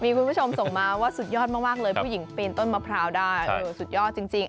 มีคุณผู้ชมส่งมาว่าสุดยอดมากเลยผู้หญิงปีนต้นมะพร้าวได้สุดยอดจริง